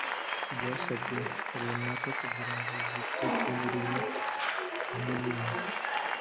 byasabwe runaka kugira ngo zite ku mirimo imwe n imwe